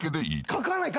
書かない